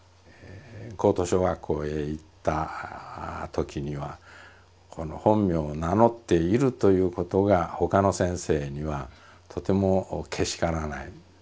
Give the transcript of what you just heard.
高等小学校へ行ったときにはこの本名を名乗っているということが他の先生にはとてもけしからない。